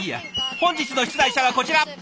本日の出題者はこちら。